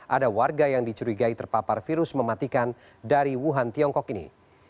ada warga yang dicurigai terpapar virus mematikan dari wuhan tiongkok ini